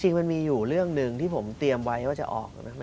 จริงมันมีอยู่เรื่องหนึ่งที่ผมเตรียมไว้ว่าจะออก